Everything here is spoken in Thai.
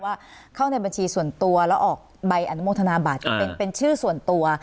ว่าเข้าในบัญชีส่วนตัวแล้วออกใบอนุโมทนาบัตรเป็นชื่อส่วนตัว